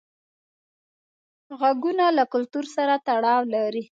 غږونه له کلتور سره تړاو لري.